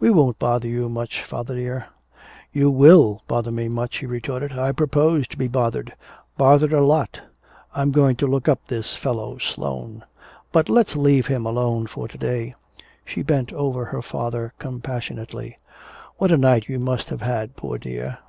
"We won't bother you much, father dear " "You will bother me much," he retorted. "I propose to be bothered bothered a lot! I'm going to look up this fellow Sloane " "But let's leave him alone for to day." She bent over her father compassionately. "What a night you must have had, poor dear."